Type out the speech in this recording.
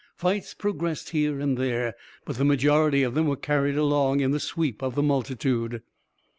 Fights progressed here and there, but the majority of them were carried along in the sweep of the multitude.